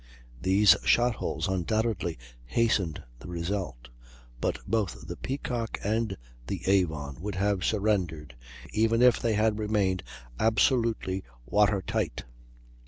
These shot holes undoubtedly hastened the result, but both the Peacock and the Avon would have surrendered even if they had remained absolutely water tight.